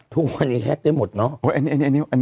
ทุกวันนี้แฮ็กได้หมดเนอะ